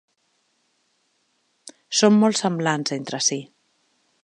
Són molt semblants entre si.